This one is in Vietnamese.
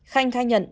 khanh khai nhận